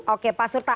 oke pak surta